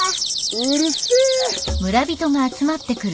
うるせえ！